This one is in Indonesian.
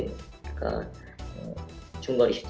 apakah ini menjadi masalah